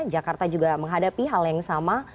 jakarta juga menghadapi hal yang sama